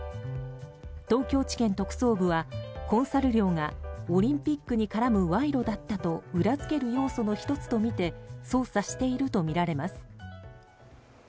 東京地検特捜部は、コンサル料がオリンピックに絡む賄賂だったと裏付ける要素の１つとみて捜査しているとみられます。